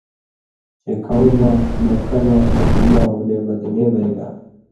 چےۡ کوں ماݜ مکّہ نہ مُسلما ہوگلے مدینے بئ گا